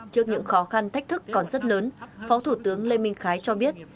trước những khó khăn thách thức còn rất lớn phó thủ tướng lê minh khái cho biết